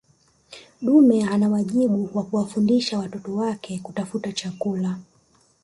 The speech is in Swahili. dume ana wajibu wa kuwafundisha watoto wake kutafuta chakula